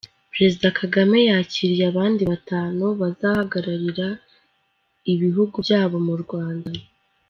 Perezida Kagame yakiriye abandi batanu bazahagararira ibihugu byabo mu Rwanda